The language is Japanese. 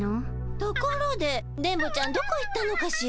ところで電ボちゃんどこ行ったのかしら？